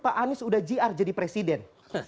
pak anies udah jr jadi presiden